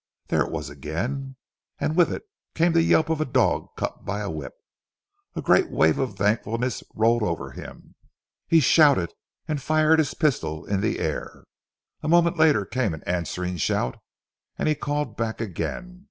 There it was again, and with it came the yelp of a dog cut by a whip. A great wave of thankfulness rolled over him. He shouted and fired his pistol in the air. A moment later came an answering shout, and he called back again.